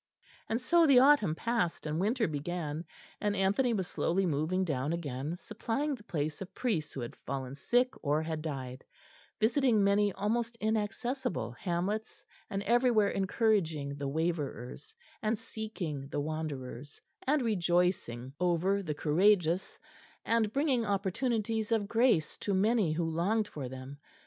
And so the autumn passed and winter began, and Anthony was slowly moving down again, supplying the place of priests who had fallen sick or had died, visiting many almost inaccessible hamlets, and everywhere encouraging the waverers and seeking the wanderers, and rejoicing over the courageous, and bringing opportunities of grace to many who longed for them.